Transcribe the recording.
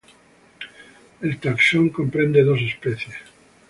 El taxón comprende dos especies.